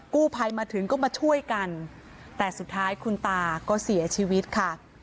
กู้ภัยมาถึงก็มาช่วยกันแต่สุดท้ายคุณตาก็เสียชีวิตค่ะ